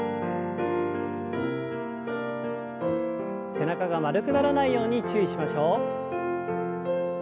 背中が丸くならないように注意しましょう。